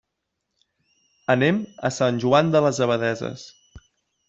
Anem a Sant Joan de les Abadesses.